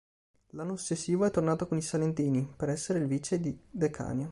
L'anno successivo è tornato con i salentini, per essere il vice di De Canio.